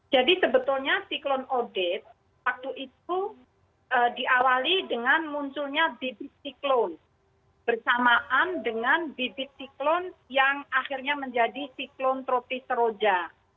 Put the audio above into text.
jadi sebetulnya siklon odet waktu itu diawali dengan munculnya bibit siklon bersamaan dengan bibit siklon yang akhirnya menjadi siklon tropis roja